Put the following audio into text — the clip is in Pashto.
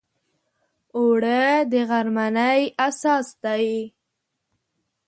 اوړه د غرمنۍ اساس دی